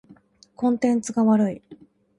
コンテンツが悪い。